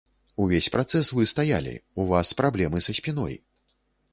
Увесь працэс вы стаялі, у вас праблемы са спіной.